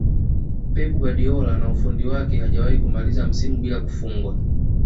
Pep Guardiola na ufundi wake hajawahi kumaliza msimu bila kufungwa